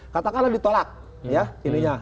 katakanlah ditolak ya ininya